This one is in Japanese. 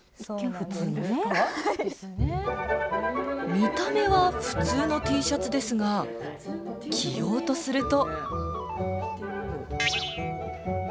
見た目は普通のＴシャツですが着ようとすると。